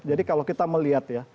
jadi kalau kita melihat ya